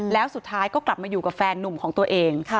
แล้วสุดท้ายก็กลับมาอยู่กับแฟนนุ่มของตัวเอง